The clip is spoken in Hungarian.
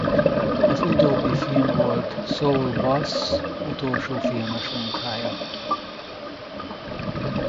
Ez utóbbi film volt Saul Bass utolsó filmes munkája.